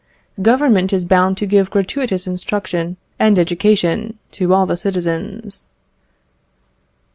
"Government is bound to give gratuitous instruction and education to all the citizens."